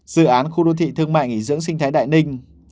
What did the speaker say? dự án khu đô thị thương mại nghỉ dưỡng sinh thái đại ninh